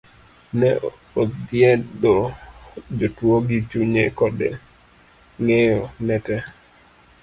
ne othiedho jotuo gi chunye kode ng'eyo ne tee.